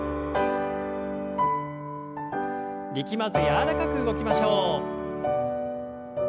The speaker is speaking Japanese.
力まず柔らかく動きましょう。